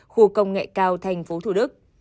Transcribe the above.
khu công nghệ cao tp thủ đức